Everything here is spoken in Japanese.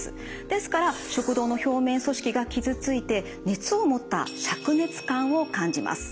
ですから食道の表面組織が傷ついて熱を持ったしゃく熱感を感じます。